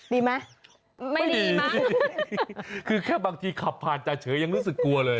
ดีไหมไม่ดีคือแค่บางทีขับผ่านจ่าเฉยยังรู้สึกกลัวเลย